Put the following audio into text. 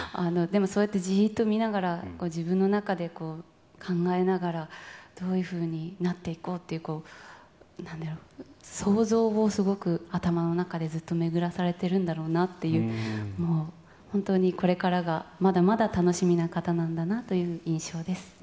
でも、そうやってじーっと見ながら、自分の中で考えながら、どういうふうになっていこうっていう、なんだろう、想像をすごく、頭の中でずっと巡らされてるんだろうなっていう、もう、本当にこれからがまだまだ楽しみな方なんだなっていう印象です。